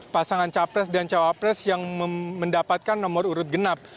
pasangan capres dan cawapres yang mendapatkan nomor urut genap